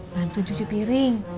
bantu cuci piring